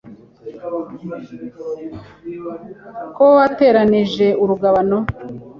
Ko wateranije urugabano